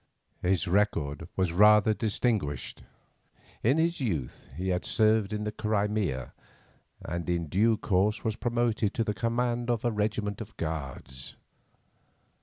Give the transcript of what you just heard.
His record was rather distinguished. In his youth he had served in the Crimea, and in due course was promoted to the command of a regiment of Guards.